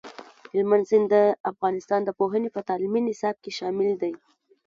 هلمند سیند د افغانستان د پوهنې په تعلیمي نصاب کې شامل دی.